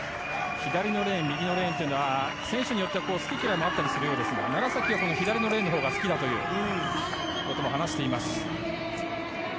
左のレーン右のレーンというのは選手によっては好き嫌いもあったりするようですが楢崎は左のレーンのほうが好きだということも話しています。